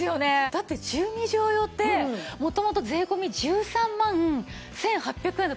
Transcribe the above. だって１２畳用ってもともと税込１３万１８００円だったじゃないですか。